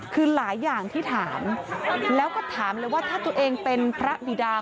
คือหลายอย่างที่ถามแล้วก็ถามเลยว่าถ้าตัวเองเป็นพระบิดา